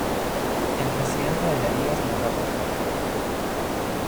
El presidente de la Liga es Norberto Ferrero.